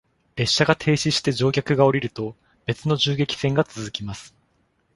列車が停止して乗客が降りると、別の銃撃戦が続きます。